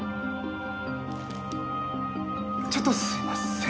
ちょっとすいません。